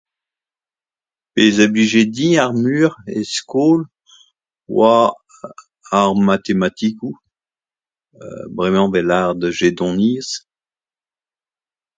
Pezh a blije din ar muioc'h er skol e oa ar matematikoù, bremañ 'vez lavaret jedoniezh